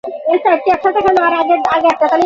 বিশেষ পরিশ্রমের সহিত সংস্কৃত শিখিবে।